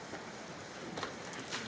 langu kebangsaan indonesia raya